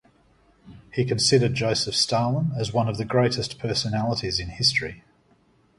He considered Joseph Stalin as one of the greatest personalities in history.